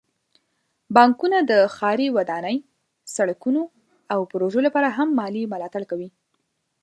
بانکونه د ښاري ودانۍ، سړکونو، او پروژو لپاره هم مالي ملاتړ کوي.